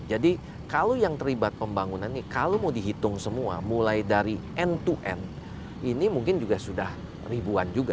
jadi kalau yang terlibat pembangunan ini kalau mau dihitung semua mulai dari end to end ini mungkin juga sudah ribuan juga